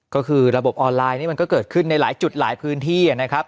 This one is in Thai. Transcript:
ก็คือระบบออนไลน์นี่มันก็เกิดขึ้นในหลายจุดหลายพื้นที่นะครับ